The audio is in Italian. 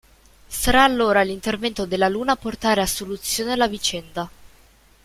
Sarà allora l'intervento della Luna a portare a soluzione la vicenda.